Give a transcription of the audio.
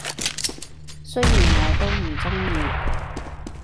雖然我都唔鍾意